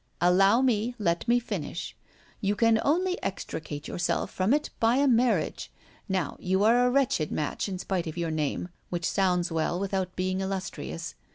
"Allow me, let me finish. You can only extricate yourself from it by a marriage. Now, you are a wretched match, in spite of your name, which sounds well without being illustrious.